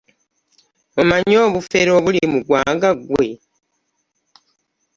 Omanyi obufere obuli mu ggwanga ggwe?